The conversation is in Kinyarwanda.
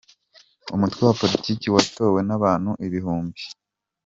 umutwe wa politiki watowe n’abantu ibihumbi